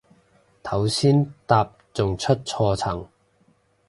頭先搭仲出錯層